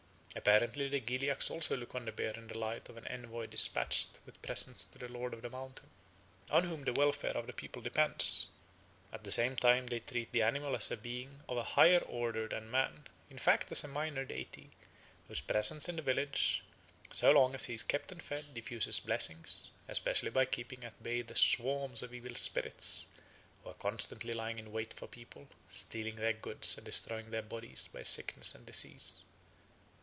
Apparently the Gilyaks also look on the bear in the light of an envoy despatched with presents to the Lord of the Mountain, on whom the welfare of the people depends. At the same time they treat the animal as a being of a higher order than man, in fact as a minor deity, whose presence in the village, so long as he is kept and fed, diffuses blessings, especially by keeping at bay the swarms of evil spirits who are constantly lying in wait for people, stealing their goods and destroying their bodies by sickness and disease.